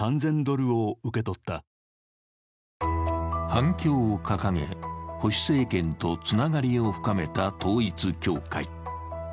反共を掲げ、保守政権とつながりを深めた統一教会。